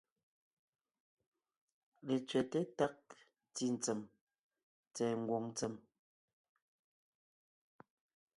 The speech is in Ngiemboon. Letsẅɛ́te tág ntí ntsèm tsɛ̀ɛ ngwòŋ ntsèm,